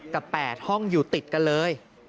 กับ๘ห้องอยู่ติดกันเลย